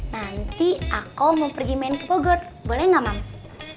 nanti aku mau pergi main ke bogor boleh nggak mas